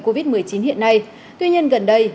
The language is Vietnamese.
covid một mươi chín hiện nay tuy nhiên gần đây